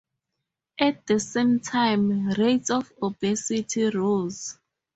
At the same time, rates of obesity rose.